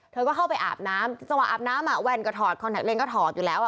เธอก็เข้าไปอาบน้ำจังหวะอาบน้ำอ่ะแว่นก็ถอดคอนแท็กเลนก็ถอดอยู่แล้วอ่ะ